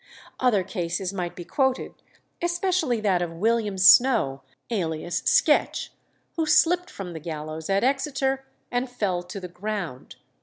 Other cases might be quoted, especially that of William Snow, alias Sketch, who slipped from the gallows at Exeter and fell to the ground.